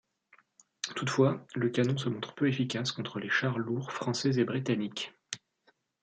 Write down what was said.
Toutefois, le canon se montre peu efficace contre les chars lours français et britanniques.